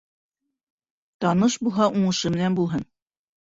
Таныш булһа, уңышы менән булһын.